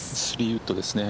３ウッドですね。